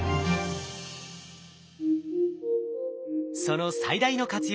その最大の活用